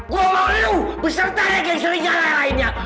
gue mau lo besertanya ke istri kialah lainnya